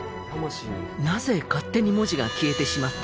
なぜ勝手に文字が消えてしまったのか？